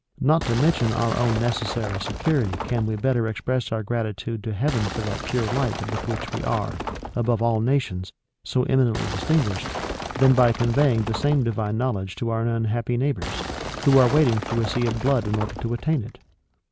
Not to mention our own necessary security can we better express our gratitude to Heaven for that pure light with which we are, above all nations, so eminently distinguished, than by conveying the same divine knowledge to our unhappy neighbors, who are wading through a sea of blood in order to attain it?